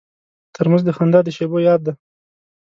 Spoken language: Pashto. ترموز د خندا د شیبو یاد دی.